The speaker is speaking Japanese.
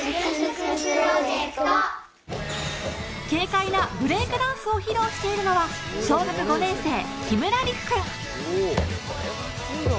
軽快なブレイクダンスを披露しているのは、小学５年生、木村凌空君。